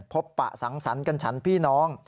ปะสังสรรค์กันฉันพี่น้อง